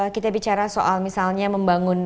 kita bicara soal misalnya membangun